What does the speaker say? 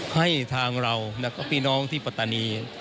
ให้ทางเราและพี่น้องที่ปฏฒนี